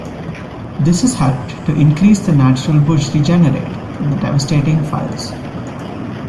This has helped to increase the natural bush regenerate from the devastating fires.